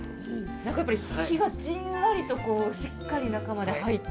何かやっぱり火がじんわりとしっかり中まで入ってて。